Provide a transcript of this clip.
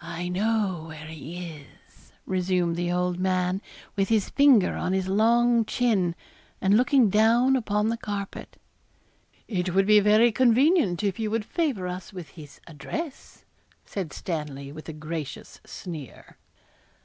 'I know where he is,' resumed the old man, with his finger on his long chin, and looking down upon the carpet. 'It would be very convenient if you would favour us with his address,' said Stanley, with a gracious sneer.